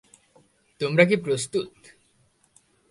তোমরা কি প্রস্তুত?